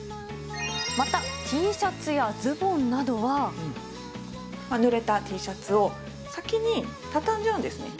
また、ＴシャツやズボンなどぬれたＴシャツを先に畳んじゃうんですね。